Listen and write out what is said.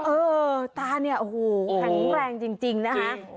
เออตาเนี่ยโอ้โหแข็งแรงจริงนะคะ